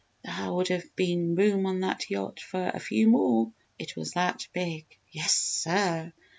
Thar would have been room on that yacht fer a few more it was that big. "Yes, sir!